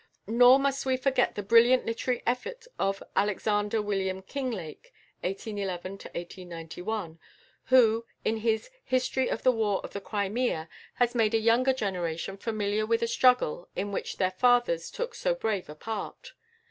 Nor must we forget the brilliant literary effort of =Alexander William Kinglake (1811 1891)= who, in his "History of the War in the Crimea," has made a younger generation familiar with a struggle in which their fathers took so brave a part.